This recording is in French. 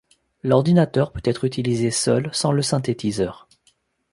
L'ordinateur peut être utilisé seul, sans le synthétiseur.